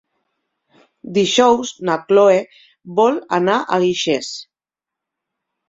Dijous na Cloè vol anar a Guixers.